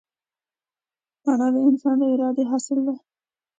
مانا د انسان د ارادې حاصل ده.